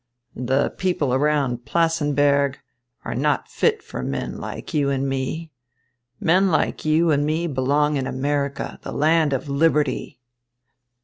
"The people around Plassenberg are not fit for men like you and me. Men like you and me belong in America, the land of liberty."